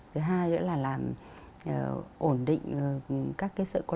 thứ hai nữa là làm ổn định các cái sự cố